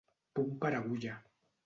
Punt per agulla.